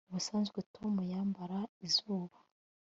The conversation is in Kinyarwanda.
Ubusanzwe Tom yambara izuba